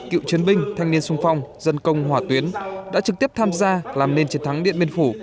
cựu chiến binh thanh niên sung phong dân công hỏa tuyến đã trực tiếp tham gia làm nên chiến thắng điện biên phủ